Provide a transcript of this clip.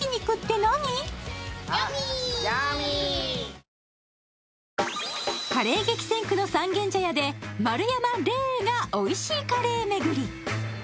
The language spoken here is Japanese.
うるおいタイプもカレー激戦区の三軒茶屋で丸山レーがおいしいカレー巡り。